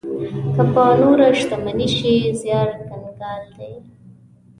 که په نوره شتمني شي زيار کنګال دی.